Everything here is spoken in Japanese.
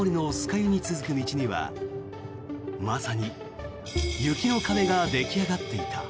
湯に続く道にはまさに雪の壁が出来上がっていた。